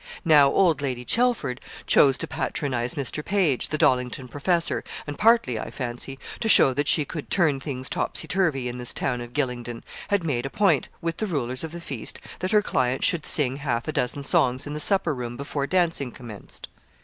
Now, old Lady Chelford chose to patronise Mr. Page, the Dollington professor, and partly, I fancy, to show that she could turn things topsy turvy in this town of Gylingden, had made a point, with the rulers of the feast, that her client should sing half a dozen songs in the supper room before dancing commenced.